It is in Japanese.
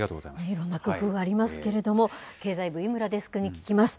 いろんな工夫がありますけれども、経済部、井村デスクに聞きます。